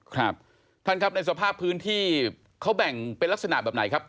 ครับท่านครับในสภาพพื้นที่เขาแบ่งเป็นลักษณะแบบไหนครับ